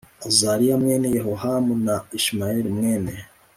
Azariya mwene yehohamu na ishimayeli mwene